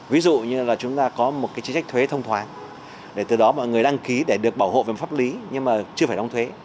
ví dụ như là chúng ta có một cái chính sách thuế thông thoáng để từ đó mọi người đăng ký để được bảo hộ về pháp lý nhưng mà chưa phải đóng thuế